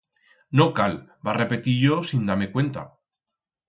No cal, va repetir yo sin dar-me cuenta.